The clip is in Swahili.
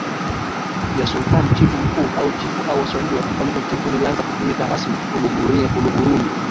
ya SultanChifu Mkuu au Chifu au Waswahili wakitamka Chifu lilianza kutumika rasmi Uluguruni